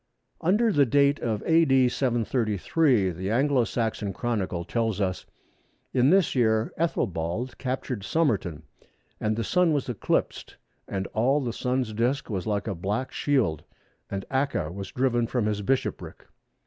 Under the date of A.D. 733, the Anglo Saxon Chronicle tells us that, "In this year Æthelbald captured Somerton; and the Sun was eclipsed, and all the Sun's disc was like a black shield; and Acca was driven from his bishopric."